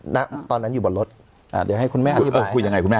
ณตอนนั้นอยู่บนรถอ่าเดี๋ยวให้คุณแม่อธิบายคุยยังไงคุณแม่